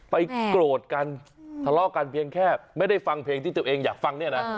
โกรธกันทะเลาะกันเพียงแค่ไม่ได้ฟังเพลงที่ตัวเองอยากฟังเนี่ยนะ